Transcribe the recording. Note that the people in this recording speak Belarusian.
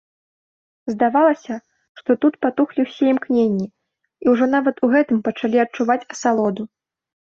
Здавалася, што тут патухлі ўсе імкненні і ўжо нават у гэтым пачалі адчуваць асалоду.